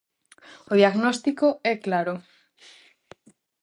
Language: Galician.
O diagnóstico é claro.